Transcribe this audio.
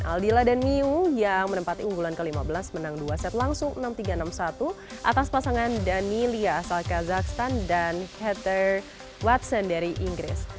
aldila dan miu yang menempati unggulan ke lima belas menang dua set langsung enam tiga enam satu atas pasangan danilia asal kazakhstan dan heather webson dari inggris